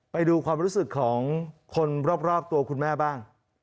ไปดูความรู้สึกของคนรอบตัวคุณแม่บ้าง